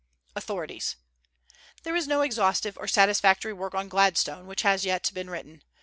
] AUTHORITIES. There is no exhaustive or satisfactory work on Gladstone which has yet been written.